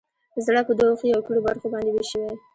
زړه په دوو ښي او کیڼو برخو باندې ویش شوی.